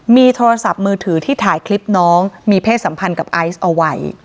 มีโทรศัพท์มือถือที่ถ่ายคลิปน้องมีเพศสัมพันธ์กับไอซ์เอาไว้